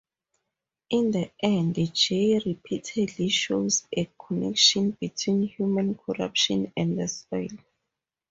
In the end J repeatedly shows a connection between human corruption and the soil.